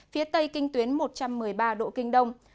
phía tây kinh tuyến một trăm một mươi ba độ kinh đông